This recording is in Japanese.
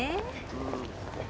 うん。